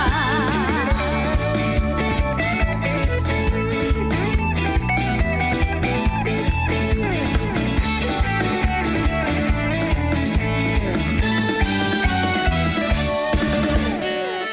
หนูไม่ยอมหนูไม่ยอมหนูไม่ยอม